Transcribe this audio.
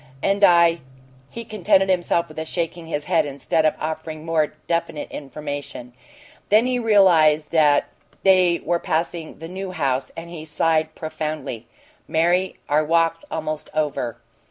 And I " He contented himself with shaking his head instead of offering more definite information. Then he realized that they were passing the New House, and he sighed profoundly. "Mary, our walk's almost over."